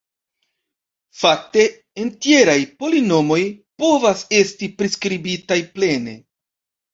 Fakte entjeraj polinomoj povas esti priskribitaj plene.